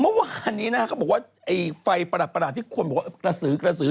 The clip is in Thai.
เมื่อวานนี้นะเขาบอกว่าไอ้ไฟประดับที่ควรบอกว่ากระสือ